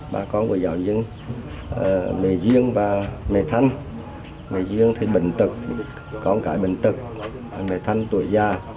bà con của giáo dân mẹ duyên và mẹ thanh mẹ duyên thì bệnh tật con cái bệnh tật mẹ thanh tuổi già